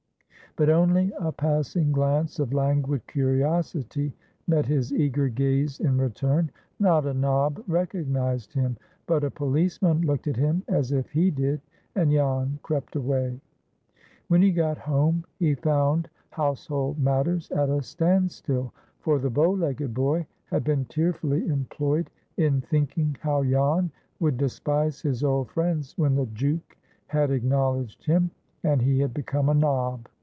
But only a passing glance of languid curiosity met his eager gaze in return. Not a nob recognized him. But a policeman looked at him as if he did, and Jan crept away. When he got home, he found household matters at a standstill, for the bow legged boy had been tearfully employed in thinking how Jan would despise his old friends when the "jook" had acknowledged him, and he had become a nob.